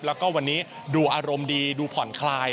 แล้วก็วันนี้ดูอารมณ์ดีดูผ่อนคลาย